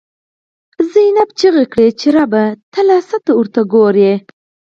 «زینب» چیغی کړی چه ربه، ته لا څه ته ورته گوری